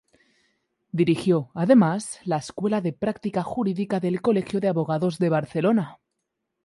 Dirigió, además, la Escuela de Práctica Jurídica del Colegio de Abogados de Barcelona.